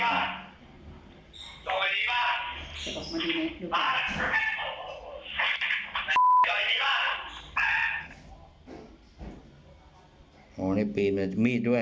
อันนี้ปีนมีดด้วย